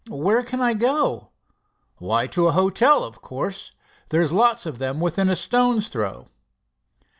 "Where can I go?" "Why, to a hotel, of course. There's lots of them within a stone's throw."